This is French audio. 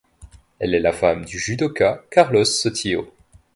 Elle est la femme du judoka Carlos Sotillo.